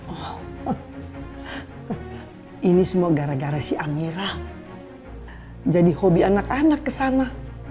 oh ini semua gara gara si amira jadi hobi anak anak kesana